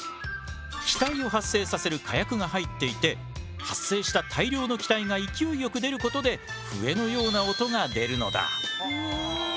気体を発生させる火薬が入っていて発生した大量の気体が勢いよく出ることで笛のような音が出るのだ。